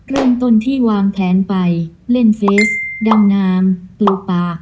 เริ่มต้นที่วางแผนไปเล่นเฟสดำน้ำปลูกป่า